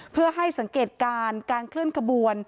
เพื่อให้สังเกตการณ์การเคลื่อนขบวน